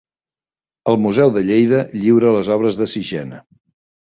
El Museu de Lleida lliura les obres de Sixena